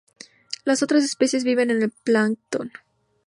Las otras especies viven en el plancton.